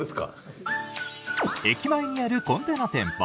駅前にあるコンテナ店舗